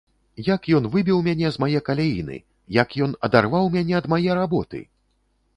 Як ён выбіў мяне з мае каляіны, як ён адарваў мяне ад мае работы!